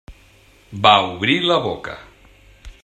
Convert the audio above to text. Va obrir la boca.